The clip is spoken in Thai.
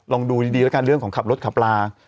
ลองดูดีเรื่องของขับรถขับลา